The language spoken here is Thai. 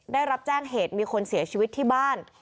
ได้รับแจ้งเหตุมีคนเสียชีวิตที่บ้าน